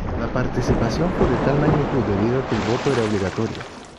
La participación fue de tal magnitud debido a que el voto era obligatorio.